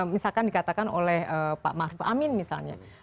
misalkan dikatakan oleh pak maruf amin misalnya